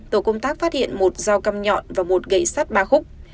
tổ công tác phát hiện một dao cam nhọn và một gậy sắt ba khúc